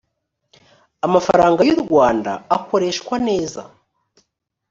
amafaranga y’ u rwanda akoreshwa neza.